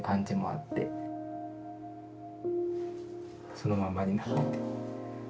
そのままになってて。